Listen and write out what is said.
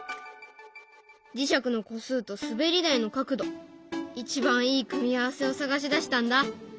磁石の個数と滑り台の角度一番いい組み合わせを探し出したんだ。